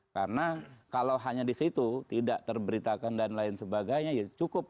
karena kalau hanya di situ tidak terberitakan dan lain sebagainya ya cukup